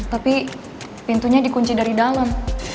tapi pintunya dikunci dari dalam